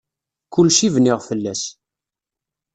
Kulci bniɣ fell-as.